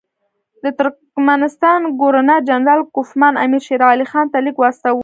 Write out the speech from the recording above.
د ترکمنستان ګورنر جنرال کوفمان امیر شېر علي خان ته لیک واستاوه.